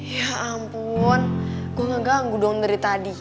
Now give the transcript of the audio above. ya ampun gue gak ganggu dong dari tadi